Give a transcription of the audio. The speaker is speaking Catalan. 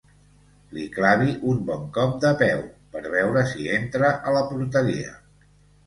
Li clavi un bon cop de peu, per veure si entra a la porteria.